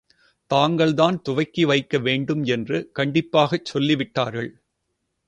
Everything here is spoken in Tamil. தாங்கள்தான் துவக்கி வைக்க வேண்டும் என்று கண்டிப்பாகச் சொல்லி விட்டார்கள்.